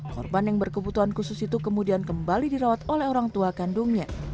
korban yang berkebutuhan khusus itu kemudian kembali dirawat oleh orang tua kandungnya